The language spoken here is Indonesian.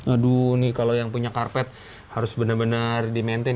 aduh nih kalau yang punya karpet harus benar benar di maintain